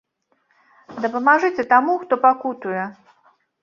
Дапамажыце таму, хто пакутуе.